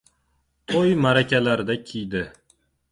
To‘y-ma’rakalarda kiydi.